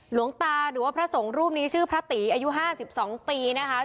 หลวงตาหรือว่าพระสงฆ์รูปนี้ชื่อพระตีอายุ๕๒ปีนะคะ